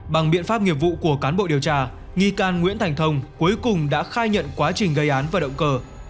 bằng biện pháp nghiệp vụ của cán bộ điều tra nghi can nguyễn thành thông cuối cùng đã khai nhận quá trình gây án và động cơ